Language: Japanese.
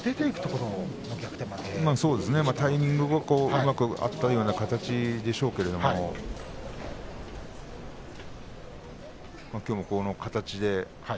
きのうはタイミングがうまくあったような形でしょうけれどもきょうもこの形で。